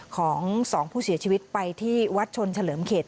ของ๒ผู้เสียชีวิตไปที่วัดชนเฉลิมเขต